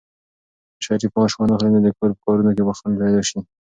که شریف معاش وانخلي، نو د کور په کارونو کې به خنډ پيدا شي.